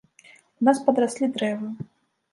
У нас падраслі дрэвы!